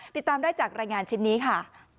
ติดตามได้จากรายงานชิ้นนี้ค่ะ